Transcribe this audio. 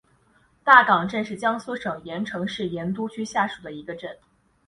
大冈镇是江苏省盐城市盐都区下属的一个镇。